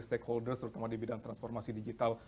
stakeholders terutama di bidang transformasi digital